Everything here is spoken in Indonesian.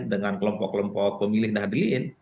dengan kelompok kelompok pemilih dan hadirin